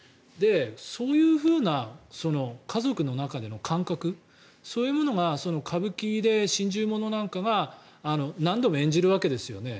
そういうふうな家族の中での感覚そういうものが歌舞伎で心中物なんかを何度も演じるわけですよね。